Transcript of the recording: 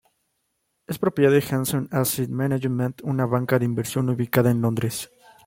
Es propiedad de Hanson Asset Management, una banca de inversión ubicada en Londres.